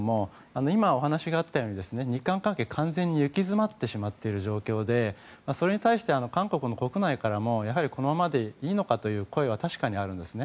今、お話があったように日韓関係は完全に行き詰まってしまっている状況でそれに対して、韓国の国内からもやはりこのままでいいのかという声は確かにあるんですね。